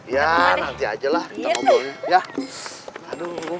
ya nanti ajalah ya